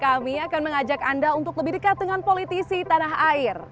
kami akan mengajak anda untuk lebih dekat dengan politisi tanah air